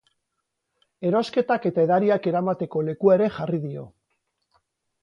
Erosketak eta edariak eramateko lekua ere jarri dio.